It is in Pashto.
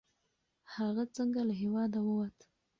هغه څنګه له هیواده ووت؟